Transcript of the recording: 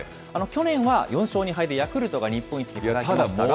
去年は４勝２敗でヤクルトが日本一でしたが。